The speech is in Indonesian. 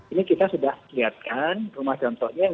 ini kita sudah lihatkan rumah contohnya